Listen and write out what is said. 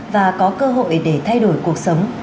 và có cơ hội để thay đổi cuộc sống